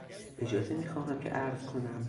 اجازه میخواهم که عرض کنم...